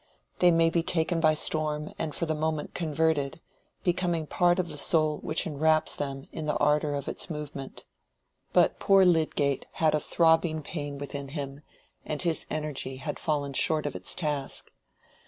They may be taken by storm and for the moment converted, becoming part of the soul which enwraps them in the ardor of its movement. But poor Lydgate had a throbbing pain within him, and his energy had fallen short of its task.